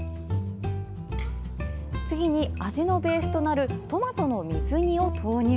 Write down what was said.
次に、味のベースとなるトマトの水煮を投入。